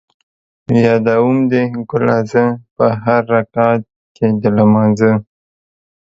یادوم دې ګله زه ـ په هر رکعت کې د لمانځه